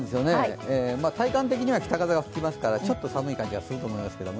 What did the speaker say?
体感的には北風が吹きますからちょっと寒い感じがすると思います。